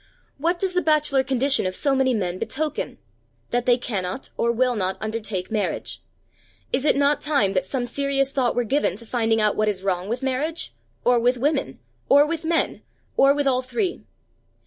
What does the bachelor condition of so many men betoken? That they cannot, or will not undertake marriage. Is it not time that some serious thought were given to finding out what is wrong with marriage, or with women, or with men, or with all three?